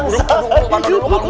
saya gak mau setruk kayak gitu